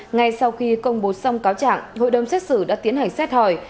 ngay sau khi công bố xong cáo trạng hội đồng xét xử đã tiến hành xét hỏi